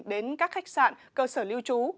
đến các khách sạn cơ sở lưu trú